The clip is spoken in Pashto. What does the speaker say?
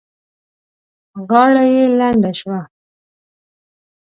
غاړه يې لنده شوه.